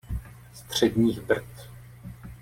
Středních Brd.